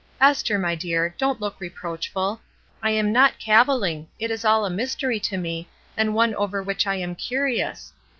Esther, my dear, don't look reproachful. I am not cavil ling; it is all a mystery to me, and one over which I am curious.